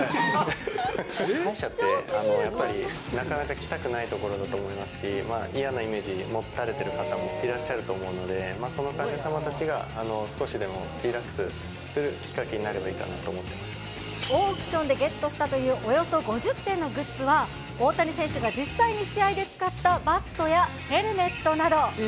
歯医者って、やっぱりなかなか来たくない所だと思いますし、まあ、嫌なイメージを持たれてる方もいらっしゃると思うので、その患者様たちが少しでもリラックスするきっかけになればいいかオークションでゲットしたというおよそ５０点のグッズは、大谷選手が実際に試合で使ったバットやヘルメットなど。